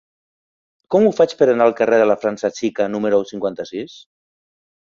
Com ho faig per anar al carrer de la França Xica número cinquanta-sis?